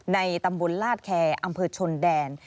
ในตำบลลาดแคร์อำเภอชนแดน